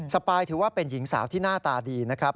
ปายถือว่าเป็นหญิงสาวที่หน้าตาดีนะครับ